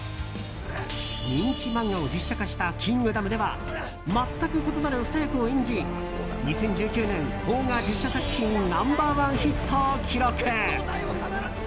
人気漫画を実写化した「キングダム」では全く異なる２役を演じ２０１９年邦画実写作品ナンバー１ヒットを記録。